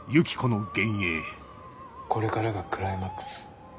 これからがクライマックス。